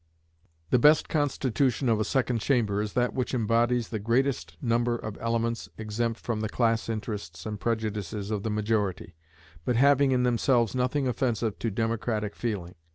The best constitution of a Second Chamber is that which embodies the greatest number of elements exempt from the class interests and prejudices of the majority, but having in themselves nothing offensive to democratic feeling.